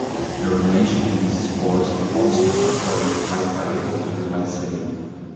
Germination of these spores forms the haploid hyphae of a new mycelium.